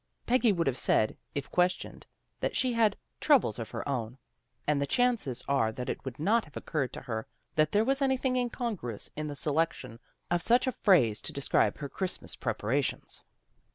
Peggy would have said, if (questioned, that she had " troubles of her own," and the chances are that it would not have occurred to her that there was anything incongruous in the selection of such a phrase to describe her Christmas preparations.